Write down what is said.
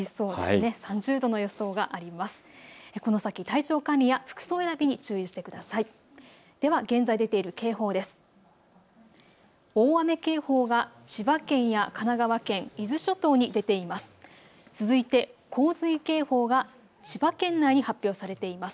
では現在出ている警報です。